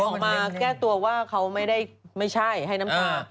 ออกมาแก้ตัวว่าเขาไม่ได้ไม่ใช่ให้น้ำตา